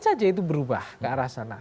saja itu berubah ke arah sana